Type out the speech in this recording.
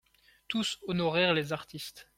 Tous honorèrent les artistes.